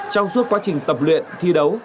trong suốt quá trình tập luyện thi đấu